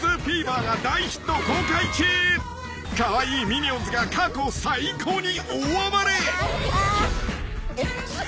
［カワイイミニオンズが過去最高に大暴れ］